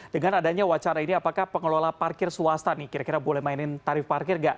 dengan adanya wacana ini apakah pengelola parkir swasta nih kira kira boleh mainin tarif parkir nggak